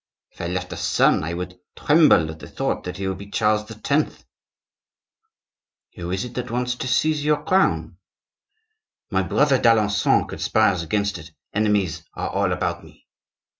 If I left a son I would tremble at the thought that he would be Charles X." "Who is it that wants to seize your crown?" "My brother d'Alencon conspires against it. Enemies are all about me."